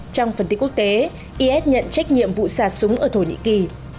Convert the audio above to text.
trong phần tích quốc tế is nhận trách nhiệm vụ xà súng ở thổ nhĩ kỳ